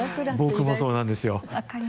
僕もそうなんですよ。